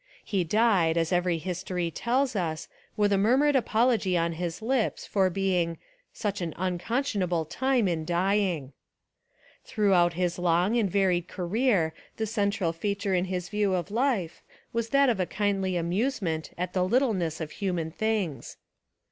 He died, as every history tells us, with a murmured apology on his lips for being "such an unconscionable time 276 A Rehabilitation of Charles II In dying." Throughout his long and varied career the central feature in his view of life was that of a kindly amusement at the little ness of human things.